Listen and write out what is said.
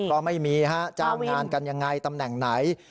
ก็ไม่มีฮะจ้างงานกันยังไงตำแหน่งไหน